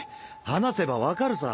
話せばわかるさ。